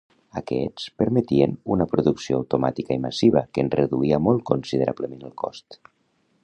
Aquests permetien una producció automàtica i massiva que en reduïa molt considerablement el cost.